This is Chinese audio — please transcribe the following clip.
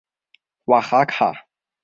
瓦哈卡。